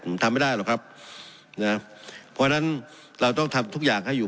ผมทำไม่ได้หรอกครับนะเพราะฉะนั้นเราต้องทำทุกอย่างให้อยู่